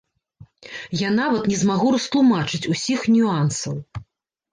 Я нават не змагу растлумачыць усіх нюансаў.